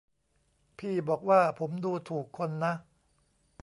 พี่บอกว่าผมดูถูกคนนะ